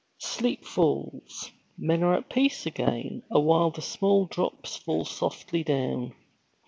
Sleep falls; men are at peace again Awhile the small drops fall softly down.